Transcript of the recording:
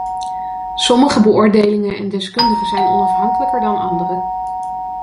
Sommige beoordelingen en deskundigen zijn onafhankelijker dan andere.